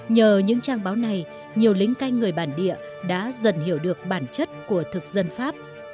nhờ những trang báo này nhiều lính canh người bản địa đã dần hiểu được bản chất của thực dân pháp